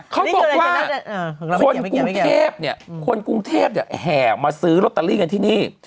เขาบอกว่าคนกรุงเทพเนี่ยคนกรุงเทพแห่มาซื้อลอตเตอรี่กันที่นี่